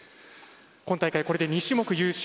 今大会、これで２種目優勝。